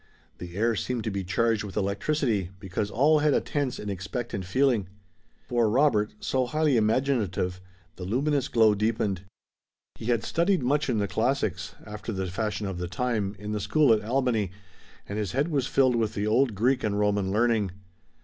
The air seemed to be charged with electricity, because all had a tense and expectant feeling. For Robert, so highly imaginative, the luminous glow deepened. He had studied much in the classics, after the fashion of the time, in the school at Albany, and his head was filled with the old Greek and Roman learning.